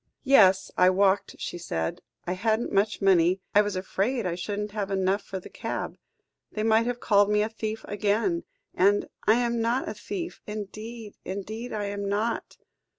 "Yes, I walked," she said. "I hadn't much money. I was afraid I shouldn't have enough for the cab. They might have called me a thief again and I am not a thief indeed, indeed, I am not."